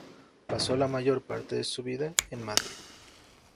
Pasó la mayor parte de su vida en Madrid.